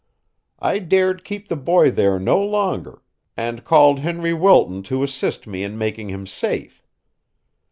I dared keep the boy there no longer, and called Henry Wilton to assist me in making him safe.